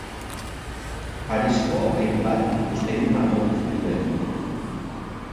Parisko hainbat ikuspegi margotu zituen.